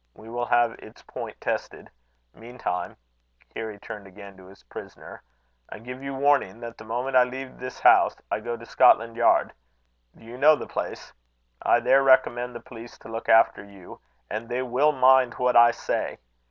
We will have its point tested. Meantime," here he turned again to his prisoner "I give you warning that the moment I leave this house, I go to Scotland Yard. Do you know the place? I there recommend the police to look after you, and they will mind what I say.